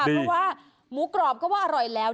เพราะว่าหมูกรอบก็ว่าอร่อยแล้ว